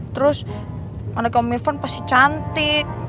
terus pada kamu om irfan pasti cantik